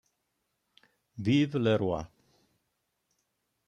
Vive le Roi.